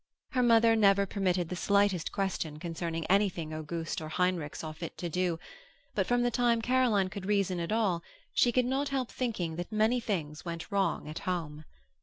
Her mother never permitted the slightest question concerning anything Auguste or Heinrich saw fit to do, but from the time Caroline could reason at all she could not help thinking that many things went wrong at home.